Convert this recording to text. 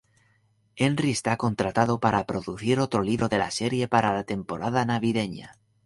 Henry está contratado para producir otro libro de la serie para la temporada navideña.